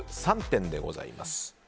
３点でございます。